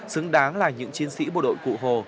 xứng đáng là những chiến sĩ bộ đội cụ hồ